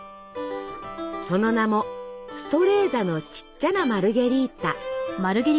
その名も「ストレーザのちっちゃなマルゲリータ」。